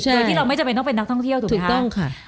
โดยที่เราไม่จำเป็นต้องเป็นนักท่องเที่ยวถูกต้องค่ะ